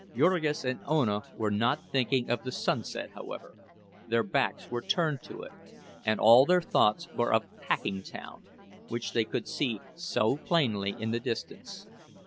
Jurgis and Ona were not thinking of the sunset, however—their backs were turned to it, and all their thoughts were of Packingtown, which they could see so plainly in the distance.